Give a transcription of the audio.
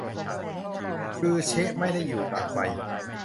กรือเซะไม่ได้อยู่ตากใบ